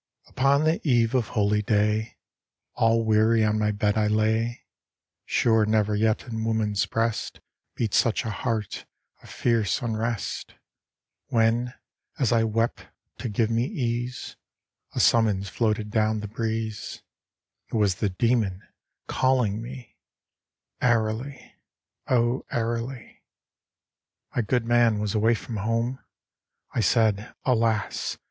I. Upon the eve of holy day All weary on my bed I lay, (Sure never yet in woman's breast, Beat such a heart of fierce unrest !) When, as I wept to give me ease, A summons floated down the breeze ; It was the demon calling me, Airily, O airily. ii. My good man was away from home. I said :" Alas